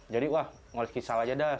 jadi wah ngoleksi syal aja dah